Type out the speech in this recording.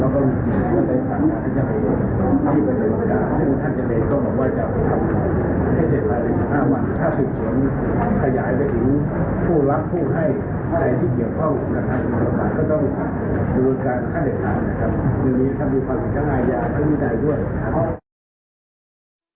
ผู้รักผู้ให้ในพิเศษข้องกันคราว๔โรงแรมก็ต้องอุทัน